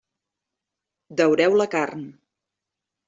Daureu la carn.